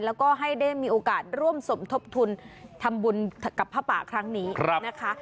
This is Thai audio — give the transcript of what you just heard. แล้วก็ให้ได้มีโอกาสร่วมสมทบทุนทำบุญกับผ้าป่าครั้งนี้นะคะ